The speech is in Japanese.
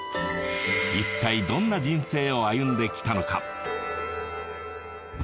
いったいどんな人生を歩んできたのか？